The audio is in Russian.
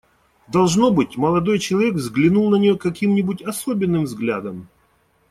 Должно быть, молодой человек взглянул на нее каким-нибудь особенным взглядом.